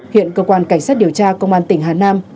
hiện cơ quan cảnh sát điều tra công an tỉnh hà nam